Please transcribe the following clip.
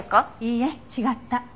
いいえ違った。